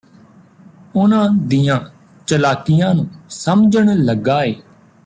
ਉਹਨਾਂ ਦੀਆਂ ਚਲਾਕੀਆਂ ਨੂੰ ਸਮਝਣ ਲੱਗਾ ਏ